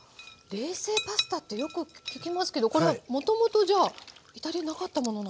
冷製パスタってよく聞きますけどこれはもともとじゃイタリアになかったものなんですね。